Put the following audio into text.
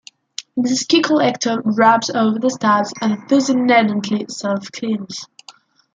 The ski collector rubs over the studs and thus inherently self cleans.